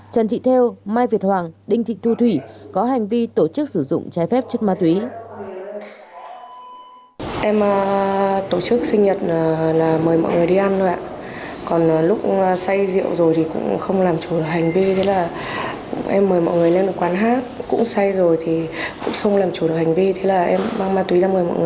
trần thị theo mai việt hoàng đinh thị thu thủy có hành vi tổ chức sử dụng trái phép chất ma túy